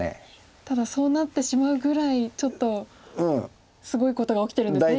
ただそうなってしまうぐらいちょっとすごいことが起きてるんですね